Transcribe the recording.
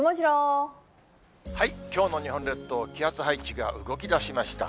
きょうの日本列島、気圧配置が動きだしました。